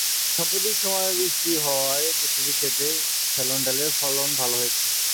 সাম্প্রতিক সময়ে বৃষ্টি হওয়ায় প্রতিটি খেতে ফেলন ডালের ফলন ভালো হয়েছে।